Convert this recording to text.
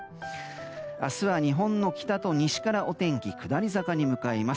明日は日本の北と西からお天気は下り坂に向かいます。